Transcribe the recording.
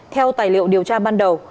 theo tài liệu điều tra ban đầu